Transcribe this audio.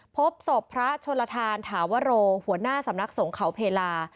พบศพพระชนลทานถาวโรหัวหน้าสำนักสงเขาเพลา